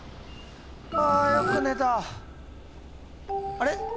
あれ？